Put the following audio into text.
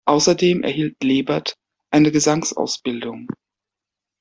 Außerdem erhielt Lebert eine Gesangsausbildung.